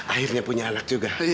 akhirnya punya anak juga